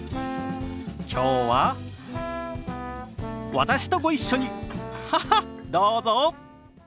きょうは私とご一緒にハハッどうぞ！